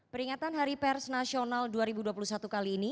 peringatan hari pers nasional dua ribu dua puluh satu kali ini